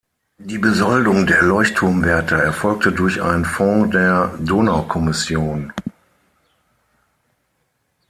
Die Besoldung der Leuchtturmwärter erfolgte durch einen Fonds der Donaukommission.